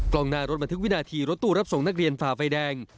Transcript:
กล้องหน้ารถบันทึกวินาทีรถตู้รับส่งนักเรียนฝ่าไฟแดง